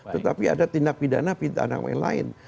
tetapi ada tindak pidana pidana yang lain